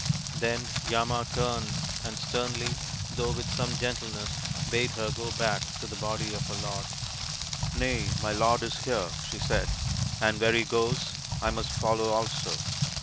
Then Yama turned and sternly, though with some gentle ness, bade her go back to the body of her lord. " Nay, my lord is here," she said, " and where he goes I must follow also.